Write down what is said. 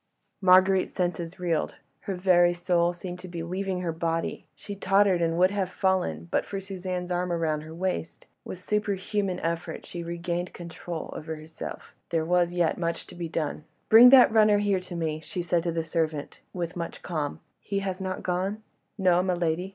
Marguerite's senses reeled, her very soul seemed to be leaving her body; she tottered, and would have fallen but for Suzanne's arm round her waist. With superhuman effort she regained control over herself—there was yet much to be done. "Bring that runner here to me," she said to the servant, with much calm. "He has not gone?" "No, my lady."